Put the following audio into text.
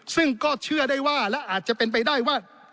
ซึ่งก็เชื่อได้ว่าและอาจจะเป็นไปได้ว่า